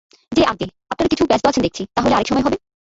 যে আজ্ঞে, আপনারা কিছু ব্যস্ত আছেন দেখছি, তা হলে আর-এক সময় হবে।